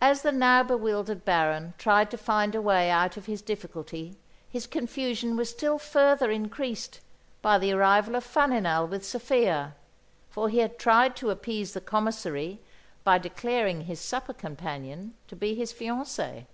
As the now bewildered Baron tried to find a way out of his difficulty his confusion was still further increased by the arrival of Faninal with Sophia; for he had tried to appease the Commissary by declaring his supper companion to be his fiancée.